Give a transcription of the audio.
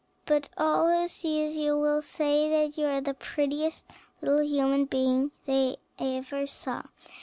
But all who see you will say that you are the prettiest little human being they ever saw.